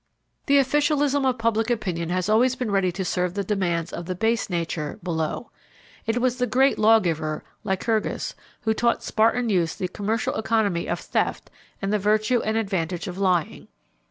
The officialism of public opinion has always been ready to serve the demands of the base nature below. It was the great lawgiver, Lycurgus, who taught Spartan youths the commercial economy of theft and the virtue and advantage of lying.